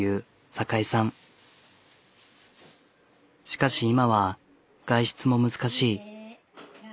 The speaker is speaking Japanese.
しかし今は外出も難しい。